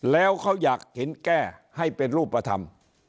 แล้วเขาอยากเห็นแก้ให้เป็นรูปธรรม